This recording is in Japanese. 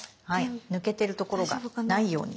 抜けてるところがないように。